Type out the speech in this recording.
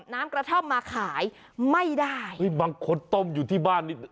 น้ำกระท่อมมาขายไม่ได้บางคนต้มอยู่ที่บ้านนี่